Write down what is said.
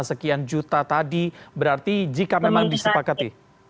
sekian juta tadi berarti jika memang disepakati